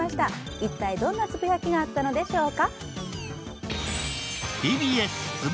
一体、どんなつぶやきがあったのでしょうか。